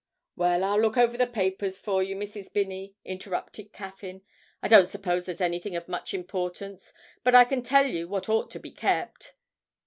'Well, I'll look over the papers for you, Mrs. Binney,' interrupted Caffyn. 'I don't suppose there's anything of much importance, but I can tell you what ought to be kept.'